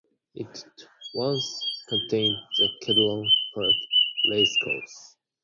It once contained the Kedron Park Racecourse.